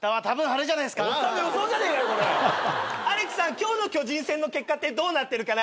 今日の巨人戦の結果ってどうなってるかな？